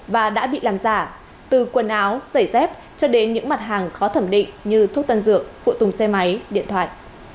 và đã bị làm giả từ quần áo giày dép cho đến những mặt hàng khó thẩm định như thuốc tân dược phụ tùng xe máy điện thoại